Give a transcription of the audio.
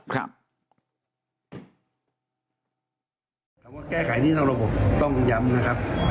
คำว่าแก้ไขหนี้นอกระบบต้องย้ำนะครับ